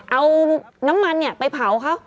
เอาน้ำมันไปเผาครับ